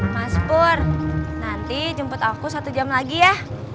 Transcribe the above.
mas pur nanti jemput aku satu jam lagi ya